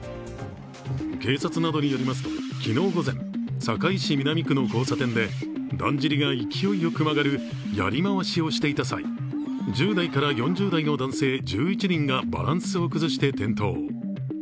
警察などによりますと、昨日午前、堺市南区の交差点でだんじりが勢いよく回るやりまわしをしていた際、１０代から４０代の男性１１人がバランスを崩して転倒。